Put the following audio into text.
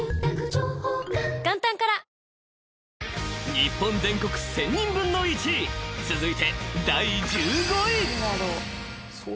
［『日本全国１０００人分の１位』続いて］